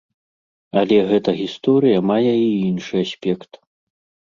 Але гэта гісторыя мае і іншы аспект.